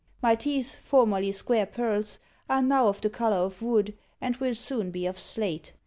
My teeth, formerly square pearls, are now of the colour of wood, and will soon be of slate.